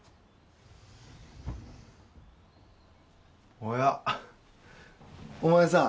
おやお前さん